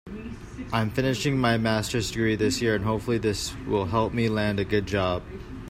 I'm finishing my masters degree this year and hopefully this will help me land a good job.